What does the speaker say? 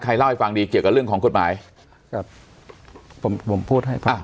เล่าให้ฟังดีเกี่ยวกับเรื่องของกฎหมายครับผมผมพูดให้ฟัง